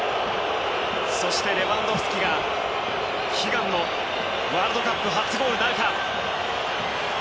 そして、レバンドフスキが悲願のワールドカップ初ゴールなるか。